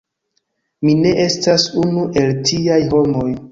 Mi ne estas unu el tiaj homoj.